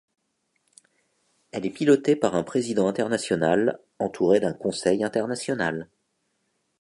Elle est pilotée par un président international entouré d’un conseil international.